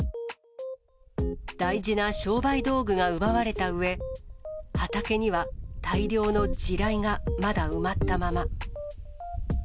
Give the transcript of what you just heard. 大事な商売道具が奪われたうえ、畑には大量の地雷が、まだ埋まったまま。